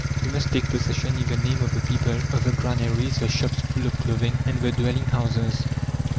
We must take possession, in the name of the people, of the granaries, the shops full of clothing and the dwelling houses.